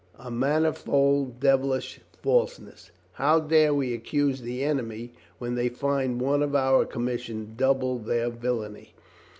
A manifold devilish falseness. How dare we accuse the enemy, when they find one of our commission double their villainy?